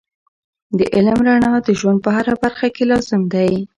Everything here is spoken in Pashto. د علم رڼا د ژوند په هره برخه کې لازم دی.